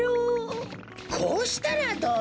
こうしたらどうだろう？